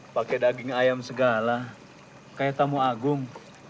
pakai daging ayam segala kayak tamu agung